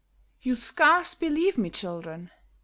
You scarce believe me, children.